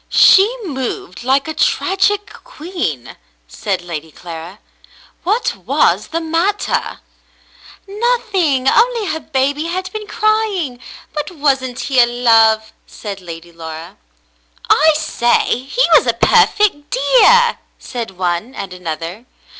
" She moved like a tragic queen," said Lady Clara. "What was the matter ?"" Nothing, only her baby had been crying; but wasn't he a love ?" said Lady Laura. "I say ! He was a perfect dear !" said one and another.